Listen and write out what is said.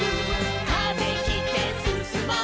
「風切ってすすもう」